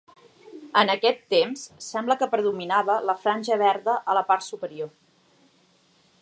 En aquest temps sembla que predominava la franja verda a la part superior.